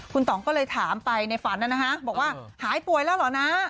คุณต่องก็เลยถามไปในฝันนะฮะบอกว่าหายป่วยแล้วเหรอนะ